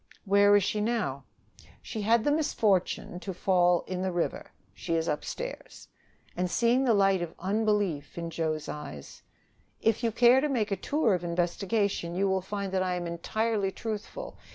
"Where is she now?" "She had the misfortune to fall in the river. She is upstairs." And, seeing the light of unbelief in Joe's eyes: "If you care to make a tour of investigation, you will find that I am entirely truthful.